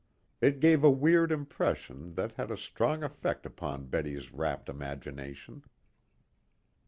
It gave a weird impression that had a strong effect upon Betty's rapt imagination.